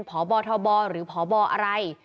ผ่อบอเท่าบอหรือผ่อบออะไร